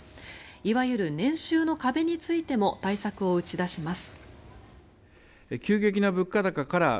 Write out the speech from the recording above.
いわゆる年収の壁についても対策を打ち出します。